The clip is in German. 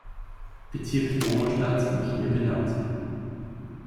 Bezirk, Donaustadt, nach ihr benannt.